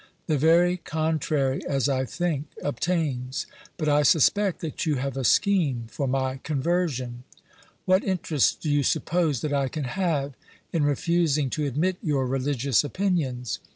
The very contrary, as I think, obtains. But I suspect that you have a scheme for my conversion. What interest do you suppose that I can have in re fusing to admit your religious opinions